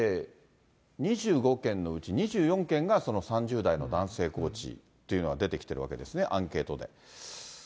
２５件のうち２４件がその３０代の男性コーチというのが出てきてるわけですね、アンケートで。